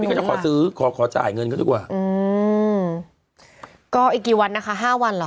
ก็จะขอซื้อขอขอจ่ายเงินก็ดีกว่าอืมก็อีกกี่วันนะคะห้าวันเหรอ